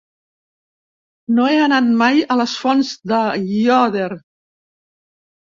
No he anat mai a les Fonts d'Aiòder.